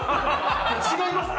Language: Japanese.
「違います